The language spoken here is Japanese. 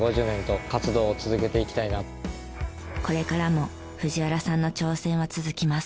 これからも藤原さんの挑戦は続きます。